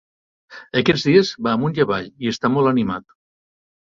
Aquests darrers dies va amunt i avall i està molt animat.